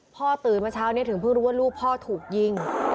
ตื่นมาเช้านี้ถึงเพิ่งรู้ว่าลูกพ่อถูกยิง